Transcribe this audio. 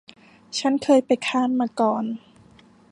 ฉันเคยไปคานส์มาก่อน